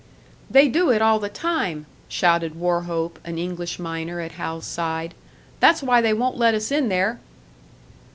"They do it all the time!" shouted Wauchope, an English miner at Hal's side. "That's why they won't let us in there."